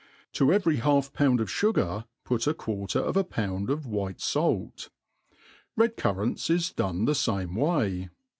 To every half pound of fugar put a quarter of a pound of white falt. Red currants is done the fame way.